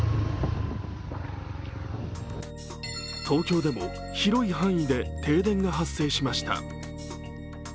東京でも広い範囲で停電が発生しました。